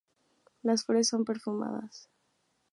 Las flores son perfumadas.